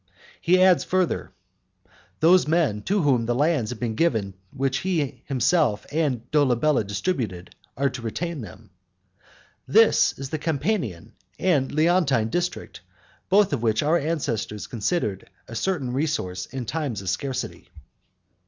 He adds further, "Those men to whom the lands have been given which he himself and Dolabella distributed, are to retain them." This is the Campanian and Leontine district, both which our ancestors considered a certain resource in times of scarcity.